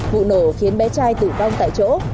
vụ nổ khiến bé trai tử vong tại chỗ